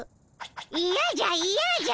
いやじゃいやじゃ！